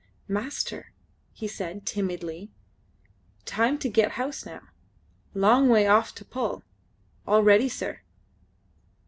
"Master," he said timidly, "time to get house now. Long way off to pull. All ready, sir."